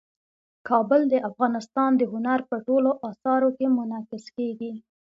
کابل د افغانستان د هنر په ټولو اثارو کې منعکس کېږي.